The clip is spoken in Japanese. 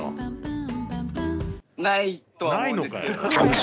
ないのかよ。